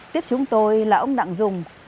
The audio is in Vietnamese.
tiếp chúng tôi là ông đặng dùng